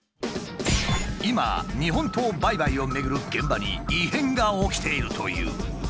今日本刀売買をめぐる現場に異変が起きているという。